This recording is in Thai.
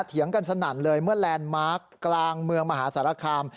เถียงกันสนั่นเลยเมื่อแลนด์มาร์คกลางเมืองมหาสารคาม